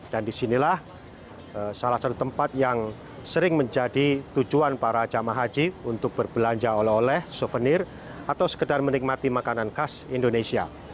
dan di sinilah salah satu tempat yang sering menjadi tujuan para jemaah haji untuk berbelanja oleh oleh souvenir atau sekedar menikmati makanan khas indonesia